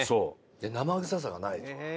で生臭さがない。